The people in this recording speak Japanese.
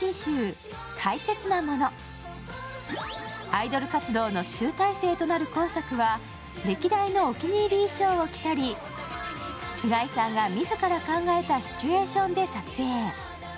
アイドル活動の集大成となる今作は歴代のお気に入り衣装を着たり、菅井さんが自ら考えたシチュエーションで撮影。